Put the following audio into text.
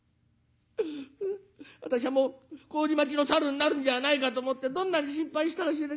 私はもう麹町のサルになるんじゃないかと思ってどんなに心配したか